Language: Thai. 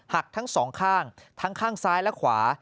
หักทั้งสองข้างทั้งข้างซ้ายและขวา